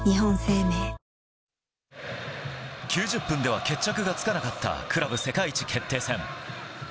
９０分では決着がつかなかったクラブ世界一決定戦。